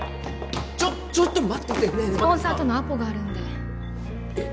ちょっちょっと待ってスポンサーとのアポがあるんでえっ？